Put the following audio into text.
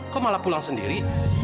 kau malah pulang sendiri